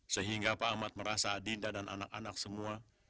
sehingga pak ahmad merasa adinda dan anak anak semua